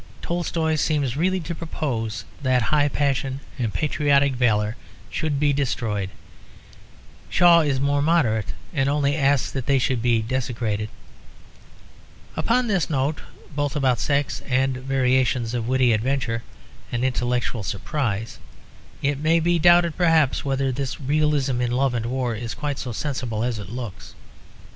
Tolstoy seems really to propose that high passion and patriotic valour should be destroyed. Shaw is more moderate; and only asks that they should be desecrated. Upon this note, both about sex and conflict, he was destined to dwell through much of his work with the most wonderful variations of witty adventure and intellectual surprise. It may be doubted perhaps whether this realism in love and war is quite so sensible as it looks.